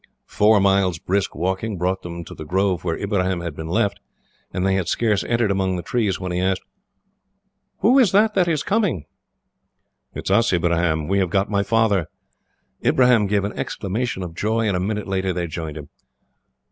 Four miles' brisk walking brought them to the grove where Ibrahim had been left, and they had scarce entered among the trees when he asked: "Who is it that is coming?" "It is us, Ibrahim. We have got my father!" Ibrahim gave an exclamation of joy, and a minute later they joined him.